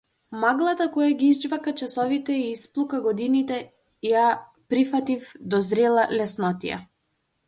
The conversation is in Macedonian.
Маглата која ги изџвака часовите и исплука годините ја прифатив до зрела леснотија.